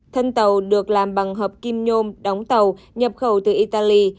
thân tàu được làm bằng hợp kim nhôm đóng tàu nhập khẩu từ italy